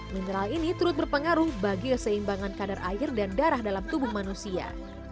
mineral ini turut berpengaruh bagi keseimbangan kadar air dan darah dalam tubuh manusia